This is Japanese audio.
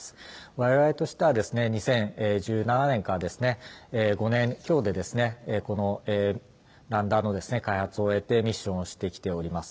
われわれとしては、２０１７年から５年強で、このの開発を経て、ミッションをしてきております。